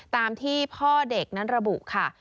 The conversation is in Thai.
ตามที่พ่อเด็กนั้นระบุค่ะ